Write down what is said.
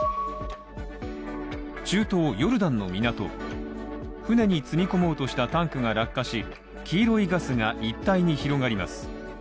中東ヨルダンの港、舟に積みこもうとしたタンクが落下し黄色いガスが一帯に広がります。